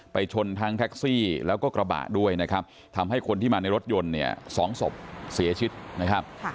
ชนทั้งแท็กซี่แล้วก็กระบะด้วยนะครับทำให้คนที่มาในรถยนต์เนี่ยสองศพเสียชีวิตนะครับ